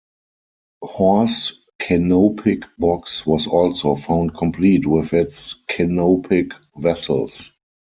Hor's canopic box was also found complete with its canopic vessels.